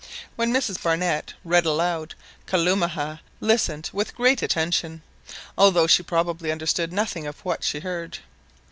When Mrs Barnett read aloud, Kalumah listened with great attention, although she probably understood nothing of what she heard.